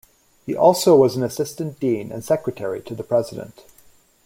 He also was an assistant dean and secretary to the president.